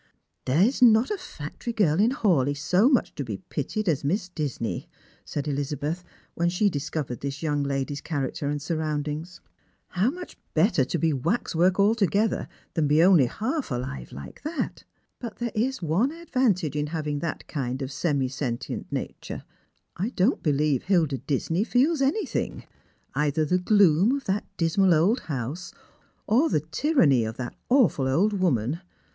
" There is not a factory girl in Hawleigh so much to be pitied as Miss Disney," said Elizabeth, when she discovered this young lady's character and surroundings. "How much better to be waxwork altogether than be only half alive like that ! But there is one advantage in having that kind of semi sentient nature. I don't believe Hilda Disney feels anything — either the gloom of that dismal old house, or the tyranny of that awful old woman.